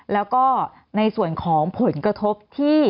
แล้วก็ในส่วนของผลกระทบที่